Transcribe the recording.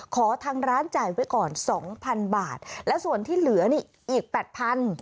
ขอทางร้านจ่ายไว้ก่อนสองพันบาทและส่วนที่เหลือนี่อีกแปดพัน